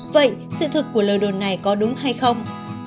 vậy sự thực của lời đồn này có đúng hay không